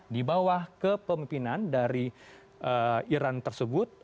di bawah kepemimpinan dari iran tersebut